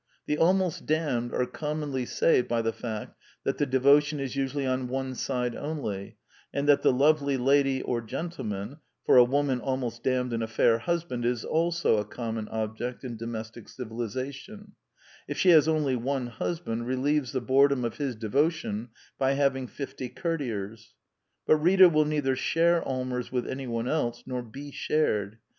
The " almost damned " are commonly saved by the fact that the devotion is usually on one side only, and that the lovely lady (or gentleman; for a woman almost damned in a fair husband is also a common object in domestic civilization), if she has only one husband, relieves the boredom of his devotion by having fifty courtiers. But Rita will neither share Allmers with anyone else nor be shared.